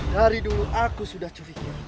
dari dulu aku sudah curiga